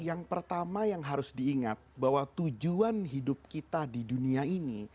yang pertama yang harus diingat bahwa tujuan hidup kita di dunia ini